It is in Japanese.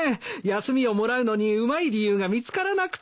休みをもらうのにうまい理由が見つからなくて。